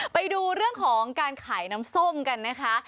ไปดูเรื่องของการขายน้ำส้มกันนะคะ